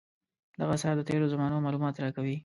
دغه اثار د تېرو زمانو معلومات راکوي.